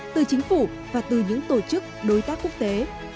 từ chính phủ và từ những tổ chức đối tác quốc tế